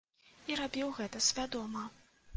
І рабіў гэта свядома.